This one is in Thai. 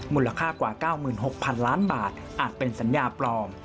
มูลค่ากว่า๙๖๐๐๐ล้านบาทอาจเป็นสัญญาปลอม